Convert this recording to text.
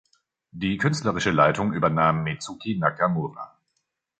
Die künstlerische Leitung übernahm Mitsuki Nakamura.